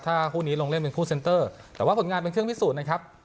ถ้าคู่นี้ลงเล่นเป็นคู่เซ็นเตอร์แต่ว่าผลงานเป็นเครื่องพิสูจน์นะครับ